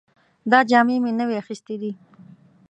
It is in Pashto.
دا جامې مې نوې اخیستې دي